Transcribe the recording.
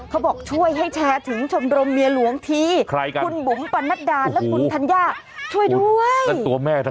เขาบอกช่วยให้แชร์ถึงชมรมเมียหลวงทีคุณบุ๋มปะนัดดาและคุณธัญญาช่วยด้วย